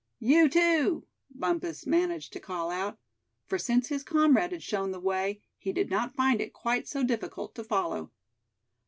"You too!" Bumpus managed to call out; for since his comrade had shown the way, he did not find it quite so difficult to follow.